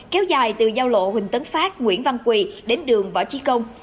kéo dài từ giao lộ huỳnh tấn phát nguyễn văn quỳ đến đường võ trí công